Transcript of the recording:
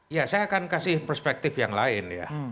ya saya akan kasih perspektif yang lain ya